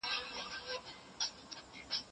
د انسان په زړه کي چي هر څه وي خدای ج په پوهیږي.